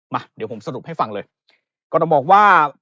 มาเดี๋ยวผมสรุปให้ฟังเลยก็ต้องบอกว่า